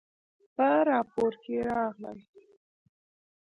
په راپور کې راغلي